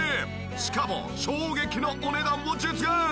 しかも衝撃のお値段も実現！